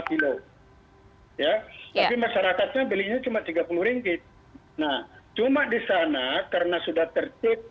kilo ya tapi masyarakatnya belinya cuma tiga puluh ringgit nah cuma di sana karena sudah tertib